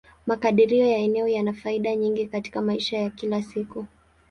Makadirio ya eneo yana faida nyingi katika maisha ya kila siku.